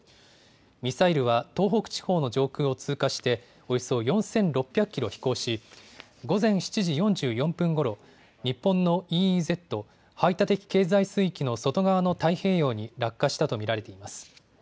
ミサイルは東北地方の上空を通過して、およそ４６００キロ飛行し、午前７時４４分ごろ、日本のＥＥＺ・排他的経済水域の外側の太平洋に落下したと見られています。